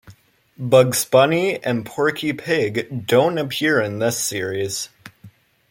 Bugs Bunny and Porky Pig don't appear in this series.